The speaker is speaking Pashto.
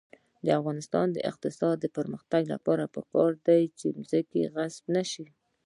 د افغانستان د اقتصادي پرمختګ لپاره پکار ده چې ځمکه غصب نشي.